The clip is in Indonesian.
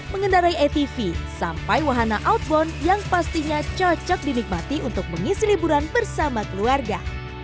mengendarai atv sampai wahana outbound yang pastinya cocok dinikmati untuk mengisi liburan bersama keluarga